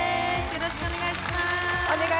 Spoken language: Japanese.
よろしくお願いします。